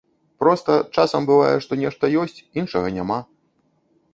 Проста, часам бывае, што нешта ёсць, іншага няма.